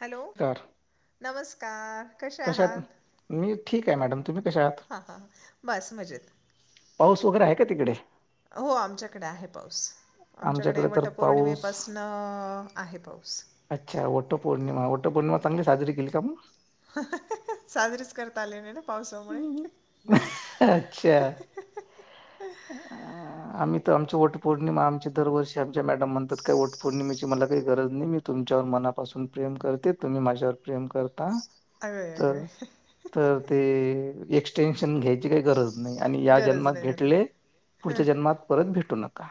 Hello, कार नमस्कार. कसे कशात, मी ठीक आहे मॅडम. तुम्ही कशा आहात हा हा बस मजेत पाऊस वगैरे आहे का तिकडे हो, आमच्याकडे आहे पाऊस. आमच्याकडे तर पाऊस वटपौर्णिमेपासनं आहे पाऊस. अच्छा, वट्ट पौर्णिमा, वट्ट पौर्णिमा चांगली साजरी केली का मग. साजरीेच करता आली नाही ना. पावसामुळे. मग अच्छा अं, आम्ही आमची वट पौर्णिमा, आमची दरवर्षी आमच्या मॅडम म्हणात काय वट पौर्णिमेची मला काही गरज नाही. मी तुमच्यावर मना मनापासुन प्रेम करते. तुम्ही माझ्यावर प्रेम कर अगं तर अगं तर ते एक टेनशन घ्याय ची काही गरज नाही. आणि या गरज जन्मात नाही गरज भेटले पुढच्या जन्मात परत भेटू नका.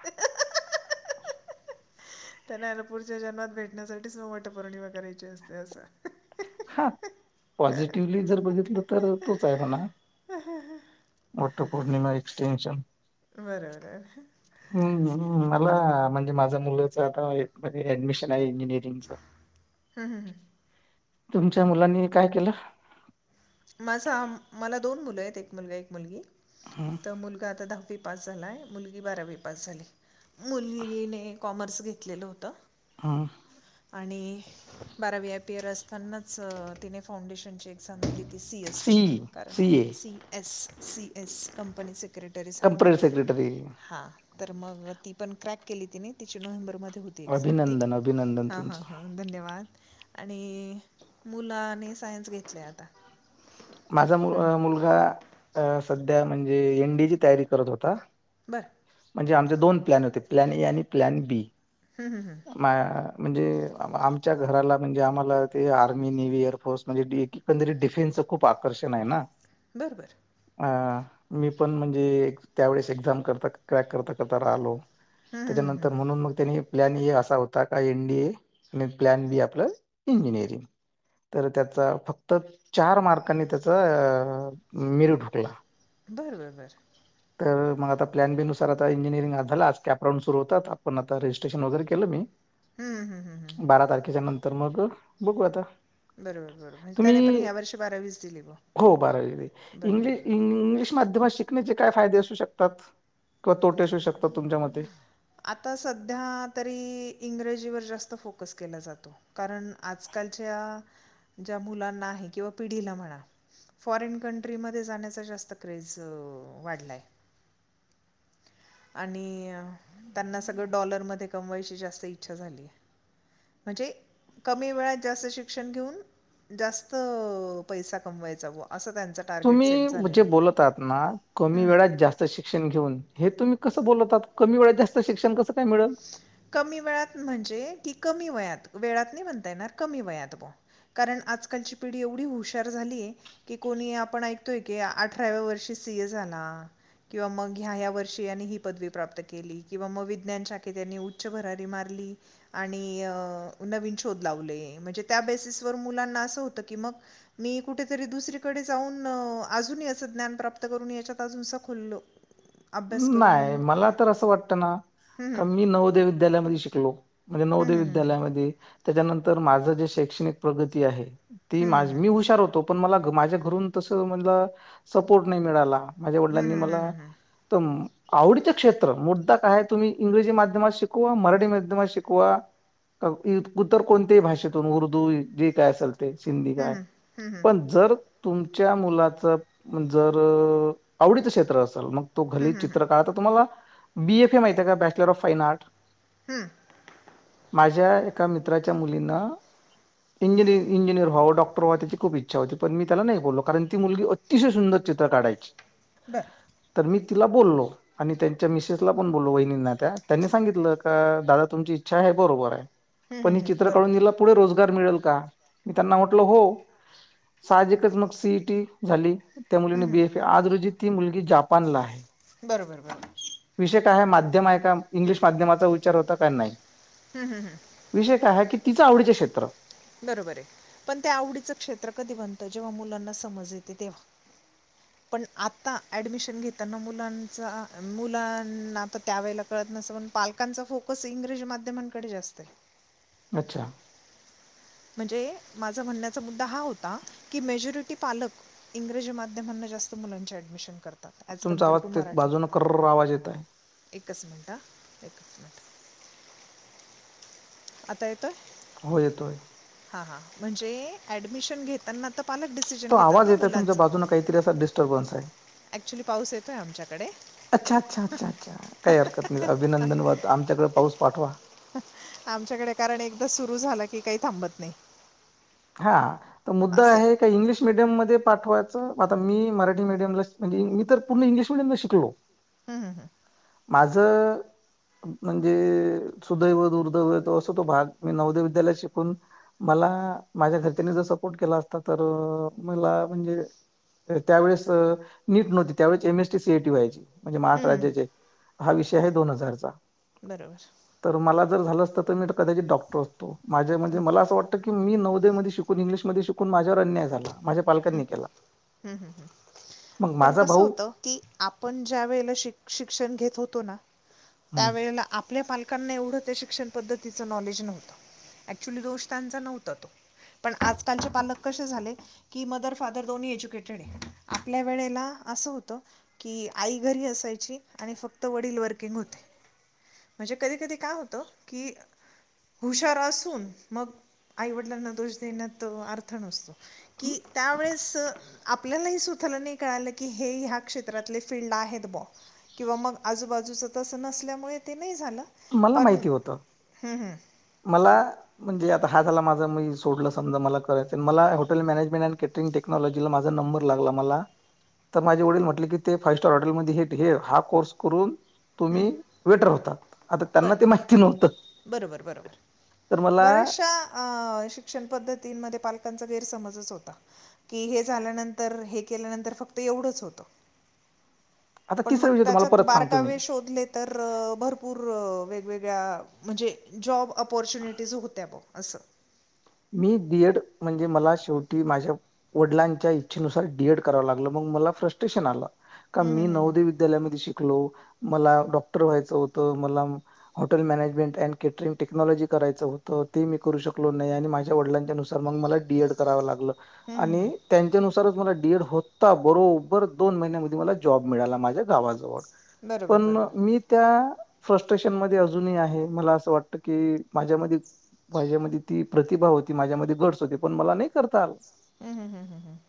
त्यांना अता पुढच्या जन्मात भेटण्यासाठीच मग वट पौर्णिमा करायची असते असं. हा पॉझिटिव्हली जर बघितलं तर तोच आहे म्हणा. [unintelligible] पौर्णिमा एक्स्टेशन बरोबर आहे. ला म्हणजे माझ्या मुलाच आता ऍडमिशन आहे इंजिनिअरिंगच. हम्म हम्म हम्म तुमच्या मुलांनी काय केलं? माझा, मला दोन मुलं आहेत. एक मुलगा एक मुलगी. तर मुलगा आता दहावीत पास झालाय. मुलगी बारावी पास झालीय. मुलगीने कॉमर्स घेतलेलं होतं. पण हा आणि, बारावी आय पीयर असतानाच तिने फाउंडेशनची एक्झाम दिली. सी एस ची कारण सी एस सी एस कंपनीचे टंपरेरी सेक्रेटरी तर मग ती पण क्रॅक केली तिने, तिची नोव्हेंबर मध्ये एक्साम ती अभिनंदन अभिनंदन हा हा तुमचं हा धन्यवाद. आणि, मुलानी सायन्स घेतलेय आता. माझा मु मुलगा, सध्या म्हणजे एंडीची तयारी करत होता. बरं. म्हणजे आमचे दोन प्लॅन होते. प्लॅन ए आणि प्लॅन बी. हं, हं. म्हणजे आमच्या घराला म्हणजे आम्हाला ते आर्मी नेव्ही एअरफोर्स म्हणजें एकंदरी डिफेन्स खूप आकर्षण आहे ना. बर बर. अ मी पण म्हणजे त्यावेेळेस एक्झाम करता क्रॅक करता करता राहिलो. हं, हं, हं, हं, त्याच्यानंतर हं. म्हणून मग त्यानी प्लॅन हे असा होता का एन डीए. आणि प्लॅन बी आपलं इंजिनिअरिंग. तर त्याचा फक्त चार मार्कांनी त्याचा अ मेरिट हुकलं. बर बर बर. तर मग आता प्लॅन बी नुसार आता इंजिअरिंग झालं आज कॅप राऊन सुरू होता. आपण आता रजिस्ट्रेशन वगैरे केलं मी. हम्म हम्म हम्म हम्म तर मग बघू आता. बरोबर बरोबर म्हणजे त्याने पण तुम्ही ह्या वर्ष बारावी हो बारावी बरं इंग्लिश माध्यमात शिकण्याचे काय फायदे असू शतात आता सध्या तरी इंग्रजीवर जास्त फोकस केला जातो आकालच्या ज्या मुलांना किंवा पिढीला फॉरेन कंट्री मधे जाण्याचा जास्त क्रेज वाढलाय [inaudible] आणि त्यांना सगळं डॉलरमध्ये कमवायची जास्त इच्छा झालीय म्हणजे कमी वेळात जास्त शिक्षण घेऊन जास्त पैसा कमवायचा व असं त्यांचं टार्गेट सेट तुम्ही जे झालेलं आहे बोलत आहात ना कमी हम्म. वेळात जास्त शिक्षण घेऊन हे तुम्ही कसं बोलवतात कमी वेळात जास्त शिक्षण कसं काय मिळेल कमी वेळात म्हणजे की कमी वयात वेळात नाही म्हणता येणार कमी वयात ब कारण आजकालची पिढी एवढी हुशार झालीय की कोणी आपण ऐकतोय की अठराव्या वर्षी सी ए झाला किंवा मग ह्या ह्या वर्षी ह्यान ही पदवी प्राप्त केली किंवा मग विज्ञान शाखेत ह्यांनी उच्च भरारी मारली आणि नवीन शोध लावले म्हणजे त्या बेसिस व मुलांना अस होत की मग मी कुठतरी दुसरीकडे जाऊन ज्ञान प्राप्तून करून त जुस खुल्ल नाही मला तर असं वाटतं ना हं, का हं. मी नवोदय विद्यालयामध्ये शिकलो म्हणजे हं, नवोदय हं, हं, हं. विद्यालयामध्ये त्याच्यानंतर माझं जे शैक्षणिक प्रगती आहे ती हं, हं, माझ हं. मी हुशार होतो पण मला माझ्या घरून तस म्हणला सपोर्ट नाही मिळाला माझ्या हं, वडिलांनी हं, हं, मला हं, हं. तर आवडीचं क्षेत्र मुद्दा काय तुम्ही इंग्रजी माध्यमात शिकवा मराठी माध्यमात शिकवा उतर कोणत्याही भाषेतून उर्दू जे काय असेल शिधी हं, काय हं, हं, पण जर तुमच्या मुलाचं जर आवडीचं क्षेत्र असाल मग तो हं, घली हं, चित्र हं, काळ तर तुम्हाला बीएफ ए माहिती आहेे का बॅचलर ऑफ फाईन आर्ट हम्म माझ्या एका मित्राच्या मुलींना इंजिनिर व्हाव डॉक्टर व्हावं त्याची खूप इच्छा होतीण मी त्याला नाही बोल कारण ती मुली अतिशय सुंदर चित्र काढायच ब तर मी तिला बोललो आणि त्यांच्या मिसेसला पण बोललो वहिनींना त्या त्यांनी सांगितलं का दादा तुमची इच्छा आहे बरोबर आहे पण हं, ही हं. चित्र काढून बरोबर हिला पुढ रोजगार मिळेल का मी त्यांना म्हटल हो साजिकच मग सीटी झाली त्या हं, मुलीनी बीएफ हं. आहे आज रोजी ती मुलगी जापानला बरोबर बरोबर का माध्यम आहे का इंग्लिश माध्यमाचा विचार होता का नाही हं, हं, हं. विषय काय की तिचं आवडीचं क्षेत्र बरोबर आहे पण त्या आवडीचं क्षेत्र कधी बनतं जेव्हा मुलांना समज येते तेव्हा पण आता ऍडमिशन घेताना मुलांचा मुलांना तर त्यावेळेला कळ पालकांचा फोकस इंग्रज माध्यमकडे जास्त अच्छा म्हणजे माझा म्हणण्याचा मुद्दा हा होता की मेजरिटी पालक इंग्रजी माध्यमांना जास्त मुलांचे ऍडमिशन तुमचा आवाज ते बाजूने क आवाज येत आहे एक कस मिंटं एकस मिंट आता येतोय हो येतोय हां हां म्हणजे ऍडमिशन घेताना तर पालक डिसिजन तो घेतात आवाज ना येत आहे तुमच्या मुलांचं बाजून काहीतरी असा डिस्टर्बन्स आहे. ऍक्च्युली पाऊस येतोय आमच्याकडे! अच्छा अच्छा अच्छा अच्छा काही हरकत नाही, अभिनंदन वत आमच्याकडे पाऊस पाठवा. आमच्याकडे कारण एकदा सुरु झाला की काही थांबत नाही. हा तर मुद्दा आहे का इंग्लिश मिडियम मध्ये पाठवायचं, आता मी मराठी मिडियमला म्हणजे मी तर पूर्ण इंग्लिश मिडियमला शिकलो. हम् हम् हम्! माझं म्हणजे सुदैव दुर्दैव असं तो भाग मी नवदय विद्यालयात शिकून मला मला माझ्या घरच्यांनी जर सपोर्ट केला असता तर मला म्हणजे त्यावेेळेस नीट नव्हती त्यावेळेच एमएसटी सीआयटी व्हायची. म्हणजे महाराष्ट्र राज्याचे हा विषय आहे दोन हजारचा बरोबर तर मला जर झाल आता कदाचित डॉक्टर असतो माझ्या माझ्यामध्ये मला असं वाटतं की मी नवो दय शिकून, इंग्लिश मध्ये शिकून माझ्यावर अन्याय झाला माझ्या पालकांनी केला. हम् हम् हम्! मग पण माझा कसं भाऊ होत की आपण ज्या वेळेला शिक्ष शिक्षण घेत होतो ना हं, त्यावेळेला आपल्या पालकांना एवढं त्या शिक्षण पद्धतीचं नॉलेज नव्हतं. अक्च्युली दोष त्यांचा नव्हता तो पण आजकालचे पालक कसे झालेत! की मदर फादर दोन्ही एज्युकेटेड आहे, आपल्या वेळेला असं होतं की आई घरी असा ची, आणि फक्त वडील वर्किंग होते असे कधी कधी काय होतं की हुशार असून मग आईवडिलांना दोष देण्यात अर्थ नसतो. की त्यावेळेस आपल्यालाही स्वताला नाइ कळालं की हे ह्या क्षेत्रातले फिल्ड आहेत बॉ. किंवा मग आजूबाजूच तस नसल्यामुळे ते नाही झालं मला पण माहिती होत! मला म्हणजे आता हा झाला माझ मी सोडलं समजाला करायचं मला हॉटे मॅनेजमेंट अँडॅटरिंग टेक्नॉलजीला माझा नंबर लागला मला तर माझे वडील म्हटले ते फाईव्ह स्टार हॉटेल मध्ये हा कोर्स करून तुम्ही वेटर होता. त्यांना बरं ते माहित नव्हत. बरोबर बरोब बऱ्याचशा शिक्षण पद्धतीमध्ये पालका चा गैर समजच होता की हे झाल्यानंतर हे केल्यानंतर फक्त एवढंच होत. आता पण मग तिसरा विषय तुम्हाला त्याच्यात परत सांगतो मी बारकावे शोध तर भरपूर वेगवेगळ्या म्हणजे जॉब अपॉर्च्युनिटीज होत्या बो. असस! मी बीएड म्हणजे मला शेवटी माझ्या वडिलांच्या इच्छेनुसार डीएड करावं लागल मग मला फ्रट्रेशन आलं का हम्म, मी हम्म, हम्म, नवोदय विद्यालय मध्ये शिकलो, मला डॉक्टर व्हायचं होतं मला hotel management and catering technology करायचं होतं. ते मी करू शकलो नाही, आणि माझ्या वडिलांच्या नुसार मग मला डीएड करावे लागलं हम्म, हम्म, आणि हम्म. त्यांच्यानुसारच मला डी एड हो ता, बरोबर दोन महिन्यामध्ये मला जॉब मिळाला माझ्या गावाजवळ. बरोबर पण बरोबर मी त्या फ्रस्ट्रेशन मध्ये अजूनही आहे मला असं वाटतं की माझ्या मदी माझ्या मदी ती प्रतिभा होती माझ्यामध्ये गट्स होती पण मला नाही करता आलं. हम्म हम् हम् हम् हम!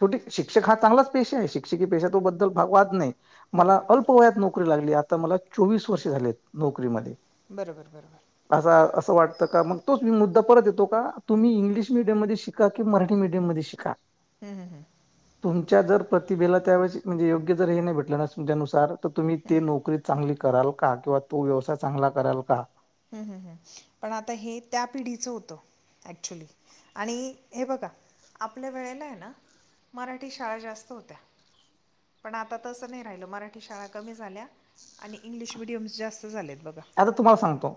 शेवटी शिक्षक हा चांगलाच पेशा आहे शिक्षक पेशा बद्दल वाद नाही. मला बरोबर बरोबर अल्पवयात नोकरी लागली आता मला चोवीस वर्ष झालेत. नोकरीमध्ये, बरोबर बरोबर अस अस वाटत का मग तोच मी मुद्दा परत येतो का तुम्ही इंग्लिश मिडियम मध्ये शिका की मराठी मीडियम मध्ये शिका हम्म हम् हम्म! तुमच्या जर प्रतिभेला त्या वेळेस म्हणजे योग्य जर हे नाही भेटलं ना तुमच्यानुसार तर तुम्ही ते नोकरी चांगली कराल का किंवा तू व्यवसाय चांगला कराल का हम्म हम् हम् पण आता हे त्या पिढीचं होतं ऍक्च्युली आणि हे बघा आपल्या वेळेला आहे ना मराठी शाळा जास्त होत्या पण आता तस नाही राहिल मराठी शाळा कमी झाल्या आणि इंगलिश मिडियम जास्त झाले आता तुम्हाला सांगतो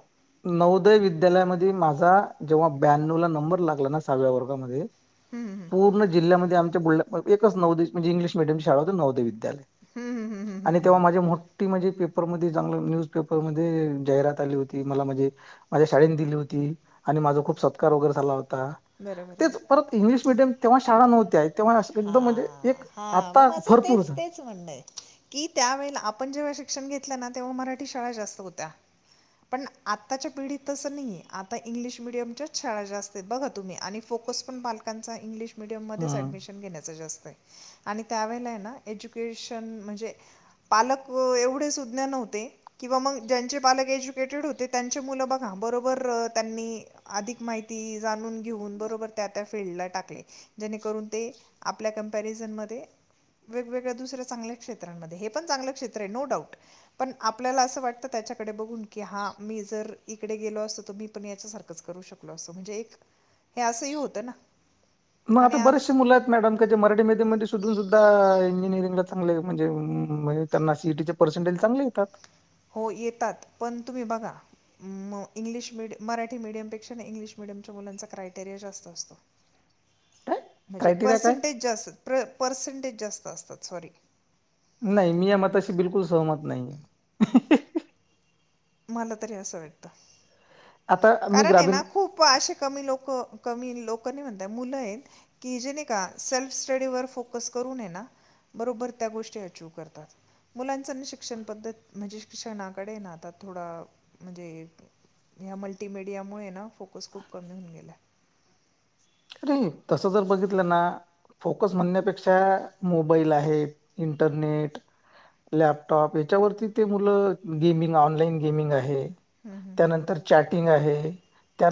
नवोदय विद्यालयामध्ये माझा जेव्हा ब्या्णव ला नंबर लागला ना सहाव्या वर्गामध्ये हम्म, हम्म, पूर्ण जिल्ह्यामध्ये आमच्या बुलढाणा मध्ये एकच नवोदय म्हणजे इंग्लिश मीडियम शाळा होती नवोदय विद्यालय हम्म, हम्म, हम्म, आणि हम्म, तेव्हा हम्म. माझी मोठी म्हणजे पेपरमध्ये चांगलं न्यूजपेपरमध्ये जाहिरात आली होती मला म्हणजे माझ्या शाळे दिली होती आणि माझा खूप सत्कार वगैरे झाला होता बरं बरं बरं तेच परत इंग्लिश मिीडियम तेव्हा शाळा नव्हत्या तेव्हा हा एकदम म्हणजे एक हा मग आता माझं भरपूर तेच झा तेच म्हणणंय कि त्यावेेळेला आपण जेव्हा शिक्षण घेतलं ना तेव्हा मराठी शाळा जास्त होत्या पण आताच्या पिढीत तस नाही आता इंग्लिश मिडियमच्या शाळा जास्त बघा तुम्ही आणि फोकस पण पालकांच्या इंग्लिश मिडियमध्येच हम्म. अडमिशन आणि त्या वेळेला ये ना एज्युकेशन म्हणजे पालक एवढे सुज्ञान नव्हते किंवा मग त्यांचे पालक एज्युकेटेड होते त्यांची मुलं बघा बरोबर त्यांनी अधिक माहिती जाणून घेऊन बरोबर त्या त्या फिडला टाकले जेणेकरून ते आपल्या कंपॅरिझनमध्ये वेगवेगळ्या दुसऱ्या चांगल्या क्षेत्रांमध्ये हे पण चांगलं क्षेत्र आहे नो डाउट पण आपल्याला असं वाटते त्याकडे बघून की हा मी जर इकडे गेलो असतो तर मी पण याच्या सारखंच करू शकलो अस म्हणजे एक हे असंही होतं ना मग आणि आता आज बरेचसे मुलं आहेत मॅडम मराठी मिडीयम मध्ये शिकून सुद्धा इंजीनियरिंगला चांगलेम् हणजे त्यांना सीटी पर्सेंटेज चांगले येतात हो येतात पण तुम्ही बघा मग इंग्लिश मि मराठी मिडियमपेक्षा इंग्लिश मिडियमच्या मुलांचा क्रायटेरिया जास्त असतो काय म्हणजे क्रायटेरिया काय? पर्सेंटेज जे असतात पर्सेंटेज जास्त असतात सॉरी नाही मी या मताशी बिलकुल सहमत नाही मला तरी असं वाटत आता मी कारण ग्रामीण ना खूप असे कमी लोक कमी लोक नाही म्हणता मुलं आहेत की जे नाही का सेल्फ स्टडी वर फोकस करूने ना बरोबर त्या गोष्टी अचिव करतात मुलांच शिक्षण पद्धत म्हणजे शिक्षणाकडेये ना आता थोडा म्हणजे ह्या मल्टीमडियामुळे ना फोकस खूप कमी होऊन गेला [inaudible] तसं जर बघितलं ना फोकस म्हणण्यापेक्षा मोबाईल आहे इंटरनेट लॅपटॉप याच्यावरती ते मुलं गेमिंग ऑनलाईन गेमिंग आहे हम्म, हम्म, हम्म. त्यानंतर चॅटिंग आहे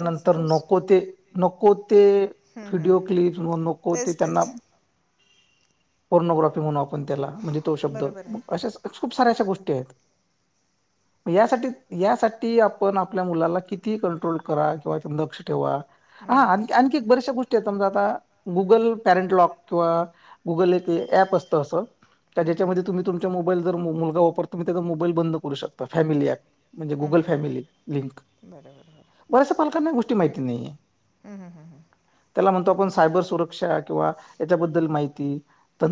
तेच तोच नको ते नको ते हम्म, व्हिडयओ हम्म. क्लीिप व नकोरे तेच त्यांना तेच पर्नोग्राफी म्हणून आपण त्याला म्हणजे तो शब्द बरोबर आहे अश खूप साऱ्या अशा गोष्टी आहेत ह यासाठी यासाठी आपण आपल्या मुलाला किती कंट्रोल करा किंवा लक्ष ठेवा हम्म, हा आण हम्म, आणखी एक बऱ्याचशा गोष्टी आहेत समजा आता गुगल पॅरेंटलॉग किंवा गुगल एकप ॲप असत असं हम्म, हम्म, ज्याच्यामध्ये तुम्ही तुमच्या मोईल मुलगा वापर तुम्ही त्या मोबाईल बंद करू शकता फॅमि म्हणजे हम्म, हम्म, गुगल हम्म, फॅमिली हम्म. लिंक बरोबर बरोबर हम्म, बऱ्याच पालकांना गोष्टी माहिती नाहीय हम्म हम्म हम्म ह सायबर सुरक्षा किंवा याच्याबद्दल माहिती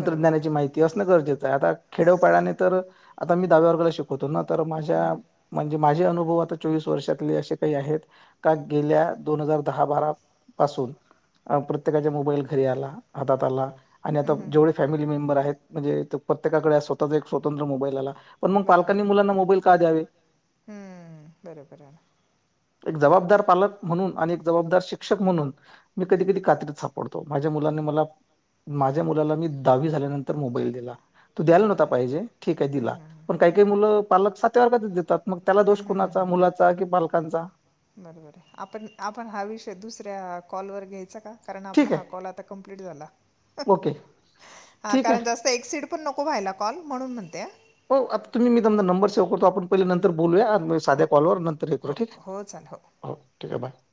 बरोबर बरोबर माहिती असणं गरजेच आता खेडपाळाने तर आता मी दहाव्या वर्गाला शिकवतो ना तर हम्म, माझ्या हम्म, म्हणजे माझे अनु आता चोवीस वर्षातले असे काही आहेत का गेल्या दोन हजार दहा बारा पासून... अ प्रत्येकाच्या मोबाईल घरी आला हातात आला. आणि आता हम्म, हम्म, हम्म. जेवढे फॅमिली मेंबर आहेत म्हणजे प्रत्येकाकडे स्वतःचा एक स्वतंत्र मोबाईल आला. पण मग बरोबर पालकांनी मुलांना मोबाईल का द्यावे? हम्म, बरोबर आहे एक जबाबदार पालक म्हणून आणि जबाबदार शिक शिक्षक म्हणून मी कधी कधी कात्रीत सापडतो माझ्या मुलांनी मला... माझ्या मुलाला मी दहावी झाल्यानंतर मोबाईल दिला. तू द्याला बरं नव्हता बरं बरं पाहिजे ठीक आहे बरं दिला हं, हं, हं. पण काही काही मुलं पालक सात्या वारगच देतात मग त्याला दोष हं, कोनाच मुलाचा कि पालकांचा. बरोबर आहे आपण आपण हा विषय दुसऱ्या कॉलवरर घ्यायचा का. कारेन ठीक आपला आहे कॉल कम्प्लीट झाला. ओके ठीक कारण आहे असं एक्सप्लिन नको व्हायला कॉल म्हणून म्हणते. हो आता तुम्ही मीतुमचा नबर सेव्ह करतो आपण पहिल्या नंतर बोलूया. मी हो साध्या कॉल व नंतर येतो हो ठीक आहे हो चालेल हो ठीक आहे बाय.